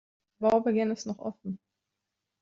Der Baubeginn ist noch offen.